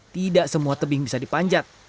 tidak semua tebing bisa dipanjat